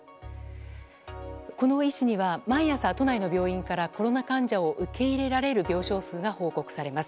この医師には毎朝、都内の病院からコロナ患者を受け入れられる病床数が報告されます。